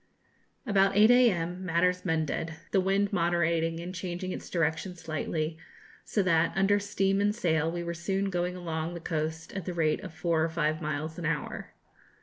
About 8 a.m. matters mended, the wind moderating and changing its direction slightly; so that, under steam and sail, we were soon going along the coast at the rate of four or five miles an hour.